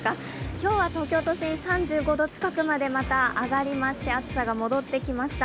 今日は東京都心、３５度近くまでまた上がりまして、暑さが戻ってきました。